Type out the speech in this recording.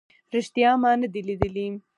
ریښتیا ما نه دی لیدلی